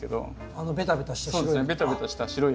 あのベタベタした白い。